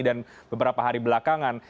dan beberapa hari belakangan